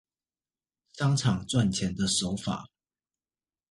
商場賺錢的手法